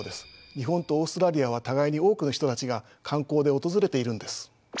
日本とオーストラリアは互いに多くの人たちが観光で訪れているんです。